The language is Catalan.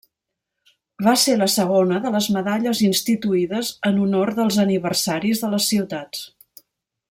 Va ser la segona de les medalles instituïdes en honor dels aniversaris de les ciutats.